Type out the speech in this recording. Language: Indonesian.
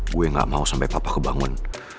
gue gak mau sampai papa kebangun